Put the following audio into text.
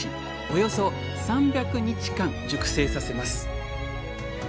およそ３００日間熟成させます。